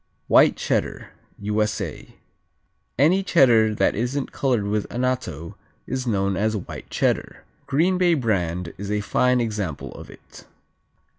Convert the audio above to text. White Cheddar U.S.A. Any Cheddar that isn't colored with anatto is known as White Cheddar. Green Bay brand is a fine example of it.